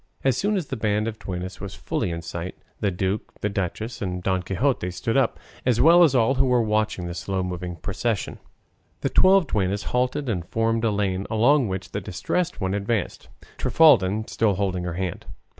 As soon as the band of duennas was fully in sight, the duke, the duchess, and Don Quixote stood up, as well as all who were watching the slow moving procession. The twelve duennas halted and formed a lane, along which the Distressed One advanced, Trifaldin still holding her hand.